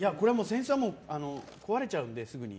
扇子は壊れちゃうので、すぐに。